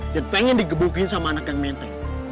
dan pengen digebukin sama anak yang menteng